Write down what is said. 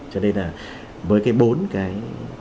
cho nên là với cái bốn cái